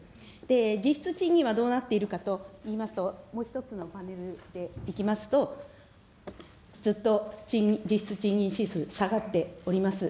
実質賃金はどうなっているかといいますと、もう１つのパネルでいきますと、ずっと実質賃金指数下がっております。